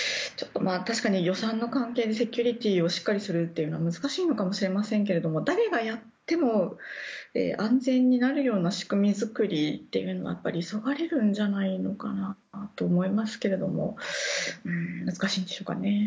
確かに予算の関係でセキュリティーをしっかりするというのは難しいのかもしれませんけど誰がやっても安全になるような仕組み作りというのが急がれるんじゃないかなと思いますけど難しいんでしょうかね。